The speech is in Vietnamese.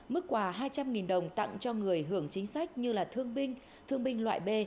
mức quà hai trăm linh đồng tặng cho người hưởng chính sách như là thương binh thương binh loại b